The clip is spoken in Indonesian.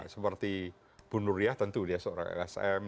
seperti ibu nuria tentu dia seorang lsm